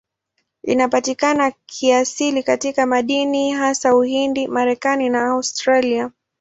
Inapatikana kiasili katika madini, hasa Uhindi, Marekani na Australia.